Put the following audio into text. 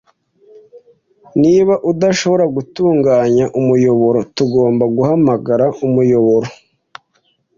Niba udashobora gutunganya umuyoboro, tugomba guhamagara umuyoboro.